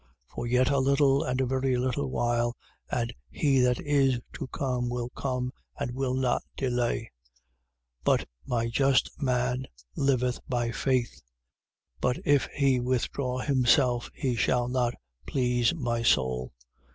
For yet a little and a very little while, and he that is to come will come and will not delay. 10:38. But my just man liveth by faith: but if he withdraw himself, he shall not please my soul.